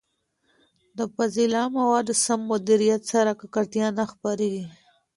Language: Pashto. د فاضله موادو سم مديريت سره، ککړتيا نه خپرېږي.